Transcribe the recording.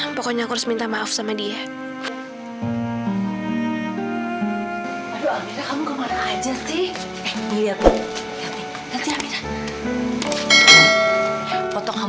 sampai jumpa di video selanjutnya